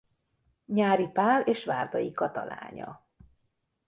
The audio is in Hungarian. Nyáry Pál és Várday Kata lánya.